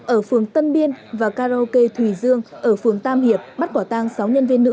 ở phường tân biên và karaoke thùy dương ở phường tam hiệp bắt quả tang sáu nhân viên nữ